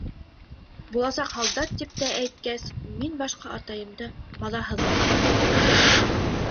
Буласаҡ һалдат тип тә әйткәс, мин башҡа атайымды маҙаһыҙламаным.